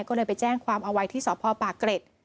ก็เลยไปแจ้งความเอาไว้ที่สพปากเกร็ด